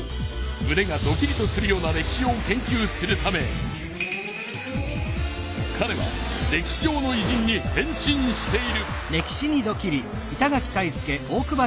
むねがドキリとするような歴史を研究するためかれは歴史上のいじんに変身している。